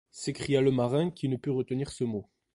s’écria le marin, qui ne put retenir ce mot